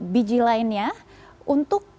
biji lainnya untuk